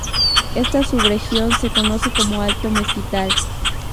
Esta subregión se conoce como Alto Mezquital.